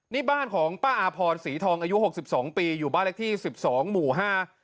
นี่บ้านของป้าอาพรศรีทองอายุหกสิบสองปีอยู่บ้านเล็กที่สิบสองหมู่ห้า